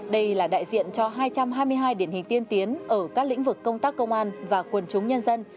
đây là đại diện cho hai trăm hai mươi hai điển hình tiên tiến ở các lĩnh vực công tác công an và quần chúng nhân dân